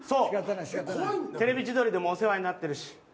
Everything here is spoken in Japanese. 「テレビ千鳥」でもお世話になってるし。